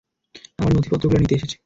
আমার নথিপত্রগুলো নিতে এসেছি।